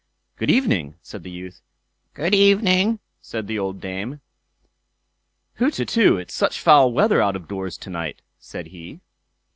"Good evening!" said the youth. "Good evening!" said the old dame. "Hutetu! it's such foul weather out of doors to night", said he.